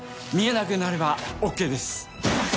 見えなくなればＯＫです。